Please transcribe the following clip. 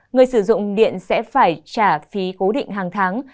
người sử dụng điện sẽ phải trả phí cố định hàng tháng